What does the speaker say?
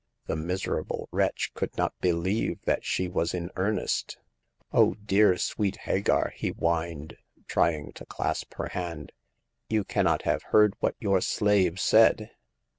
The miserable wretch could not believe that she was in earnest. " Oh, dear, sweet Hagar !" he whined, trying to clasp her hand, " you cannot have heard what your slave said